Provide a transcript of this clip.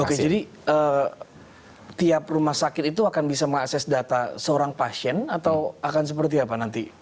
oke jadi tiap rumah sakit itu akan bisa mengakses data seorang pasien atau akan seperti apa nanti